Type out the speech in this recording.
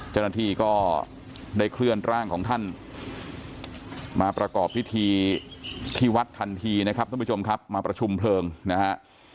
เจ้าหน้าที่ก็ได้เคลื่อนร่างของท่านมาประกอบพิธีที่วัดทันทีนะครับท่านผู้ชมครับมาประชุมเพลิงนะฮะ